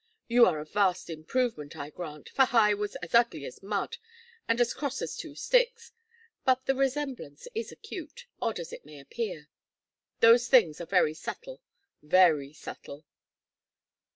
You are a vast improvement, I grant, for Hi was as ugly as mud and as cross as two sticks, but the resemblance is acute, odd as it may appear. Those things are very subtle, very subtle."